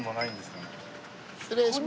失礼します。